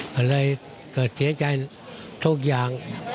ก็เลยเกิดเสียใจทุกอย่าง